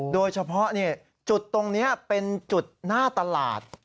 โดยเฉพาะจุดตรงนี้เป็นจุดหน้าตลาด